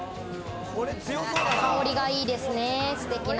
香りがいいですね、ステキな。